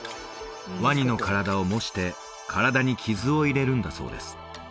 ワニの体を模して体に傷を入れるんだそうです